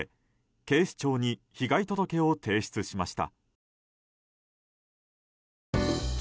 警視庁に被害届を提出しました。